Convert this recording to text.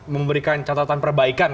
memberikan catatan perbaikan